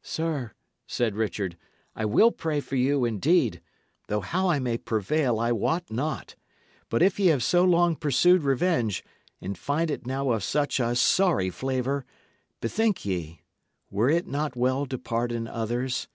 "Sir," said Richard, "I will pray for you, indeed; though how I may prevail I wot not. But if ye have so long pursued revenge, and find it now of such a sorry flavour, bethink ye, were it not well to pardon others?